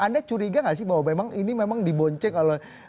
anda curiga nggak sih bahwa memang ini memang dibonce kalau